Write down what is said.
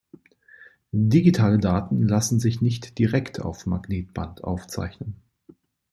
Digitale Daten lassen sich nicht direkt auf Magnetband aufzeichnen.